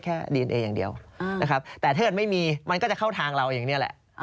แต่ถ้าเกิดไม่มีมันก็จะเข้าทางเราอย่างเงี้ยแหละ